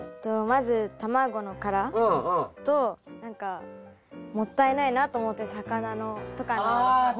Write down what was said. まず卵の殻と何かもったいないなと思って魚とかの骨。